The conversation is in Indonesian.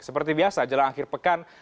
seperti biasa jelang akhir pekan